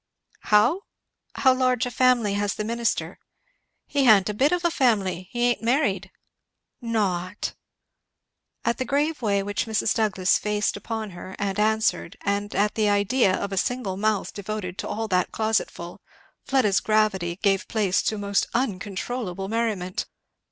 "How?" "How large a family has the minister?" "He ha'n't a bit of a family! He ain't married." "Not!" At the grave way in which Mrs. Douglass faced around upon her and answered, and at the idea of a single mouth devoted to all that closetful, Fleda's gravity gave place to most uncontrollable merriment.